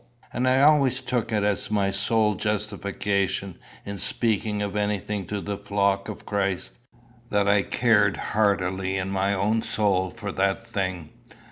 And I always took it as my sole justification, in speaking of anything to the flock of Christ, that I cared heartily in my own soul for that thing.